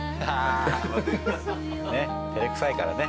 ねっ照れくさいからね。